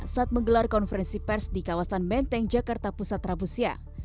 saat menggelar konferensi pers di kawasan menteng jakarta pusat rabu siang